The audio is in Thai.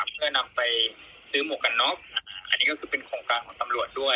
เพื่อนำไปซื้อหมวกกันน็อกอันนี้ก็คือเป็นโครงการของตำรวจด้วย